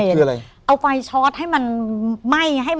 เอาไฟ